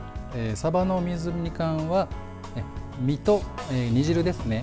さばの水煮缶は身と煮汁ですね。